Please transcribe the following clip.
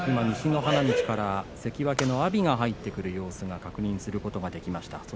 西の花道から関脇の阿炎が入ってくる様子を確認することができました。